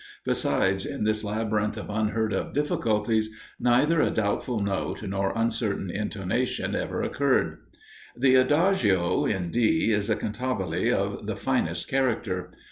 Besides, in this labyrinth of unheard of difficulties, neither a doubtful note nor uncertain intonation ever occurred. The adagio (in D) is a cantabile of the finest character.